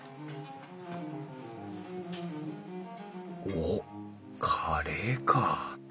おっカレーか！